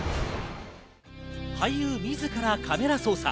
俳優自らカメラ操作。